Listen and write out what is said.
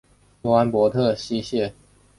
永安博特溪蟹为溪蟹科博特溪蟹属的动物。